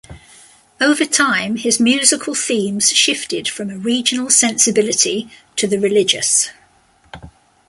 Over time, his musical themes shifted from a regional sensibility to the religious.